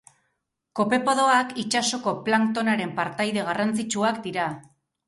Kopepodoak itsasoko planktonaren partaide garrantzitsuak dira